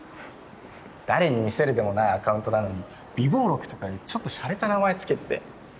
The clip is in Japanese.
誰に見せるでもないアカウントなのに「備忘録。」とかいうちょっとしゃれた名前付けてて。